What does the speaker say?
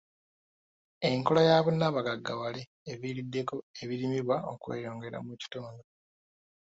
Enkola ya bonnabagaggawale eviiriddeko ebirimibwa okweyongera mu kitundu.